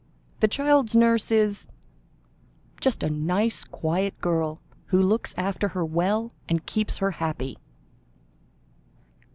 The child's nurse is just a nice, quiet girl, who looks after her well and keeps her happy."